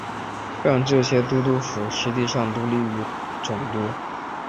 让这些都督府实质上独立于总督。